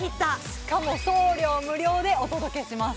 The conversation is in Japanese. しかも送料無料でお届けします